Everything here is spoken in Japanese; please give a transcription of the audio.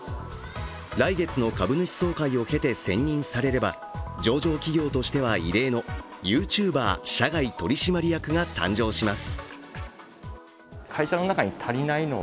来月の株主総会を経て選任されれば上場企業としては異例のＹｏｕＴｕｂｅｒ社外取締役が誕生します。